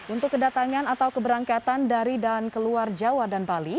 untuk kedatangan atau keberangkatan dari dan keluar jawa dan bali